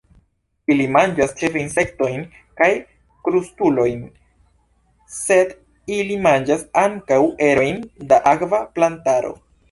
Ili manĝas ĉefe insektojn kaj krustulojn, sed ili manĝas ankaŭ erojn da akva plantaro.